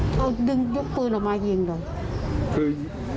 ตอนนี้ก็ดึงยกปืนออกมายิงเลย